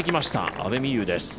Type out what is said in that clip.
阿部未悠です。